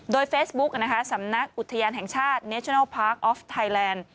โดยเฟซบุ๊กนะคะสำนักอุทยานแห่งชาติเนชนัลพาร์คออฟไทยแลนด์